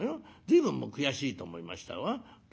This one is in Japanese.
随分悔しいと思いましたわ。